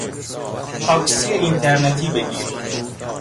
تاکسی اینترنتی بگیر